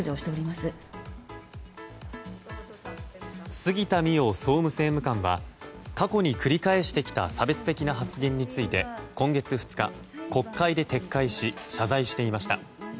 杉田水脈総務政務官は過去に繰り返してきた差別的な発言について今月２日、国会で撤回し謝罪していました。